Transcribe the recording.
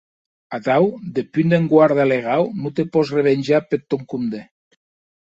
Atau, deth punt d’enguarda legau, non te pòs resvenjar peth tòn compde.